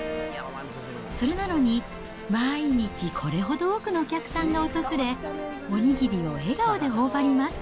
それなのに、毎日これほど多くのお客さんが訪れ、お握りを笑顔でほおばります。